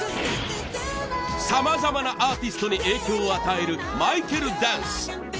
さまざまなアーティストに影響を与えるマイケルダンス。